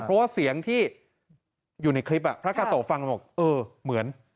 เพราะว่าเสียงที่อยู่ในคลิปพระกาโตบอกว่าเหมือน